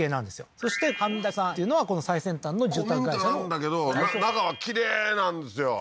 そして飯田さんっていうのはこの最先端の住宅会社の古民家なんだけど中はきれいなんですよ